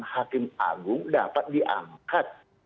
hakim agung dapat diangkat